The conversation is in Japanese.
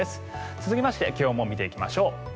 続きまして気温も見ていきましょう。